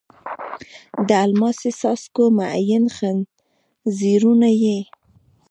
د الماسې څاڅکو مهین ځنځیرونه یې